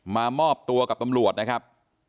มามอบตัวกับตำรวจนะครับ